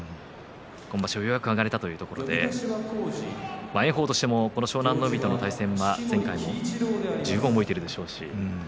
今場所は、ようやく上がれたということで炎鵬としてもこの湘南乃海との対戦は十分、覚えているでしょうし。